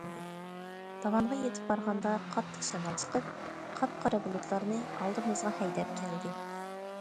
داۋانغا يىتىپ بارغاندا قاتتىق شامال چىقىپ، قاپقارا بۇلۇتلارنى ئالدىمىزغا ھەيدەپ كەلدى.